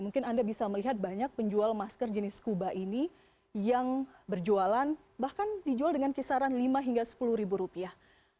mungkin anda bisa melihat banyak penjual masker jenis skuba ini yang berjualan bahkan dijual dengan kisaran lima hingga sepuluh ribu rupiah